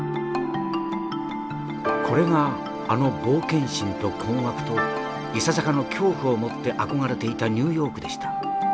「これがあの冒険心と困惑といささかの恐怖を持って憧れていたニューヨークでした。